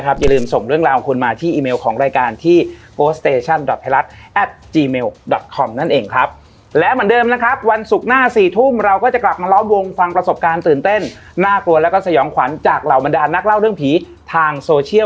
แล้วนี่คุณแมนการินขอบคุณมากขอบคุณมากวันนี้คุย